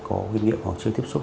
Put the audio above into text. có huyết nghiệm hoặc chưa tiếp xúc